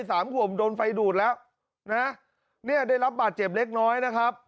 สามขวบโดนไฟดูดแล้วนะเนี่ยได้รับบาดเจ็บเล็กน้อยนะครับ